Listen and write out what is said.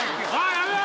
やめろ！